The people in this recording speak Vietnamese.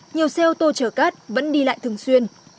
nhiều xe ô tô chở cát vẫn đi lại thường xuyên